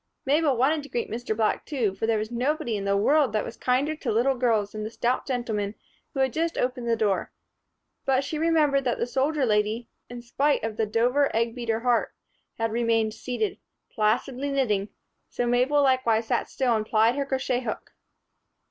Mabel wanted to greet Mr. Black, too, for there was nobody in the world that was kinder to little girls than the stout gentleman who had just opened their door; but she remembered that the soldier lady (in spite of the Dover egg beater heart) had remained seated, placidly knitting; so Mabel likewise sat still and plied her crochet hook.